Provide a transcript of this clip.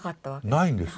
ないんですよ。